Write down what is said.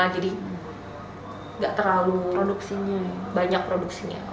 jadi nggak terlalu banyak produksinya